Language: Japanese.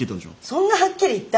そんなはっきり言った？